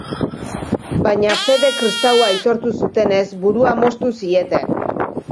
Baina fede kristaua aitortu zutenez, burua moztu zieten.